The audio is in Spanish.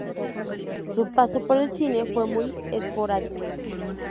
Su paso por el cine fue muy esporádico.